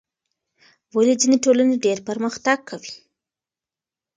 ولې ځینې ټولنې ډېر پرمختګ کوي؟